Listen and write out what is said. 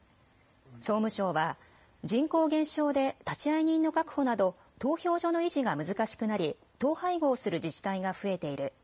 総務省は人口減少で立会人の確保など投票所の維持が難しくなり統廃合する自治体が増えている。